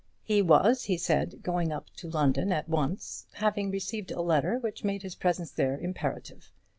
He was, he said, going up to London at once, having received a letter which made his presence there imperative.